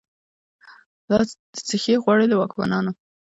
لا« څشي غواړی» له واکمنانو